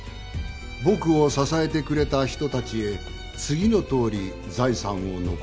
「僕を支えてくれた人たちへ次のとおり財産を残す」